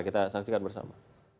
kita saksikan bersama